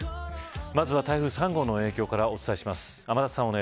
まずは台風３号の影響からお伝えします。